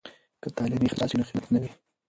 که تعلیم اخلاص وي، نو خیانت نه وي.